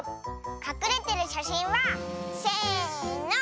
かくれてるしゃしんはせの。